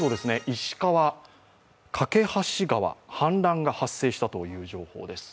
石川・梯川の氾濫が発生したという情報です。